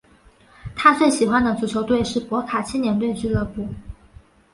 他最喜欢的足球队是博卡青年队俱乐部。